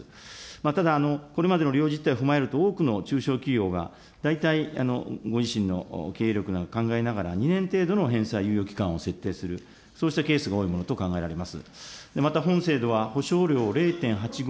ただ、これまでの利用実態を踏まえると多くの中小企業が、大体ご自身の経営力を考えながら、２年程度の返済猶予を設定する、そうしたものが多いものと考えられます。